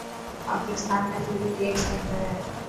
پاڪستان ۾ صرف هيڪ سينٽر هي.